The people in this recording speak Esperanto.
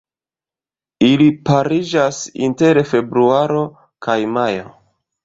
Ili pariĝas inter februaro kaj majo.